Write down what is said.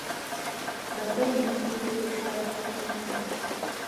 Vedle ní stojí podstavec křížku.